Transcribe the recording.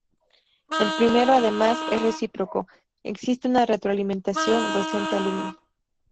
El primero, además, es recíproco; existe una retroalimentación docente-alumno.